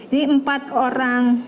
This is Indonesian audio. di empat orang